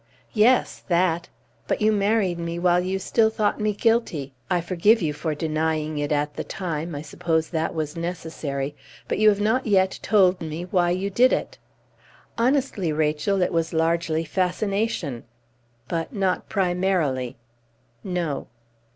"Yes, that. But you married me while you still thought me guilty. I forgive you for denying it at the time. I suppose that was necessary. But you have not yet told me why you did it." "Honestly, Rachel, it was largely fascination " "But not primarily." "No."